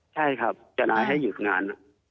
ใช่ครับทนายให้หยุดงาน